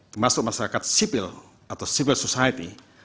termasuk masyarakat sipil atau civil society